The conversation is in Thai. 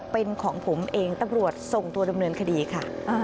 เป็นของผมเองตำรวจส่งตัวดำเนินคดีค่ะ